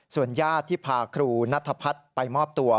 ส่วนญาติที่พาครูนัทพัฒน์ไปมอบตัว